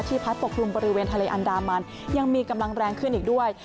พัดปกคลุมบริเวณทะเลอันดามันยังมีกำลังแรงขึ้นอีกด้วย